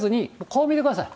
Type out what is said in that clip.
こう、こう見てください。